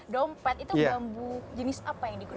dompet itu bambu jenis apa yang digunakan